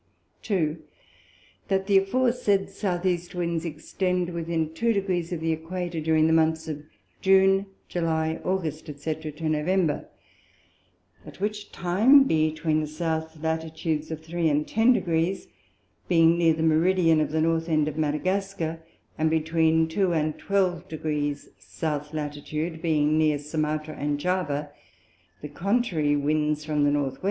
2. That the aforesaid S. E. Winds extend to within two Degrees of the Æquator, during the Months of June, July, August, &c. to November; at which time between the South Latitudes of three and ten Degrees, being near the Meridian of the North end of Madagascar, and between two and twelve South Latitude, being near Sumatra and Java, the contrary Winds from the N. W.